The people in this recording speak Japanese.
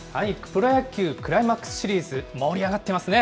プロ野球クライマックスシリーズ、盛り上がってますね。